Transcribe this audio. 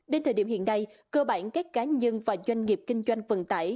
đến thời điểm hiện nay cơ bản các cá nhân và doanh nghiệp kinh doanh vận tải